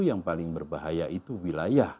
yang paling berbahaya itu wilayah